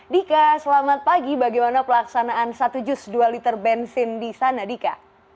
dika selamat pagi bagaimana pelaksanaan satu jus dua liter bensin di sana dika